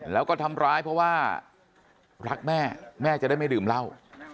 แล้วก็ทำร้ายเพราะว่ารักแม่แม่จะได้ไม่ดื่มเหล้า